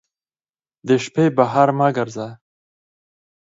د شپې بهر مه ګرځه